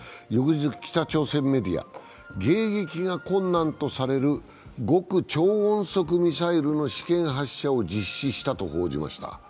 翌日、北朝鮮メディア、迎撃が困難とされる極超音速ミサイルの試験発射を実施したと報じました。